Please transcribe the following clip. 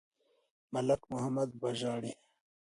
ملک محمد به ژاړي.